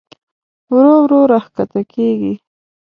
ورو ورو راښکته کېږي.